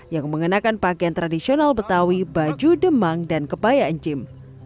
yang mengenakan pakaian tradisional betawi baju demang dan kebaya encim